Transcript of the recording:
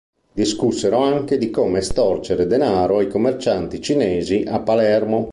Discussero anche di come estorcere denaro ai commercianti cinesi a Palermo.